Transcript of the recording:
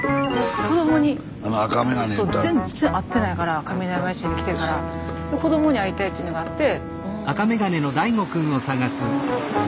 子どもに全然会ってないから上山市に来てから子どもに会いたいっていうのがあって。